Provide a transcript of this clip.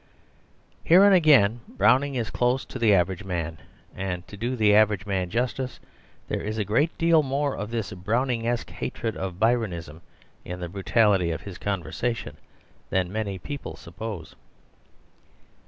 Herein again Browning is close to the average man; and to do the average man justice, there is a great deal more of this Browningesque hatred of Byronism in the brutality of his conversation than many people suppose.